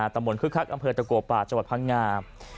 ตะมนต์คึกคักอำเภอตะโกปาจังหวัดพังงา